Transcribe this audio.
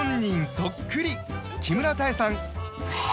そっくり木村多江さん